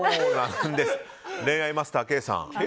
恋愛マスターのケイさん。